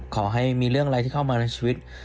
ขอให้มีเรื่องอะไรที่เข้ามาในชีวิต